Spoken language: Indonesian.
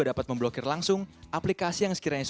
anda bisa memahami sejauh mana banyak data yang digunakan